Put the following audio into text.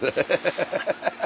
ハハハハ。